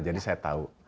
jadi saya tahu